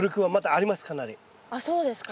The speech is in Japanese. あっそうですか。